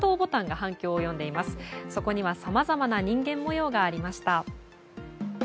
そこには、さまざまな人間模様がありました。